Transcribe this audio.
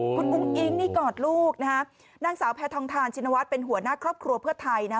คุณอุ้งอิ๊งนี่กอดลูกนะฮะนางสาวแพทองทานชินวัฒน์เป็นหัวหน้าครอบครัวเพื่อไทยนะ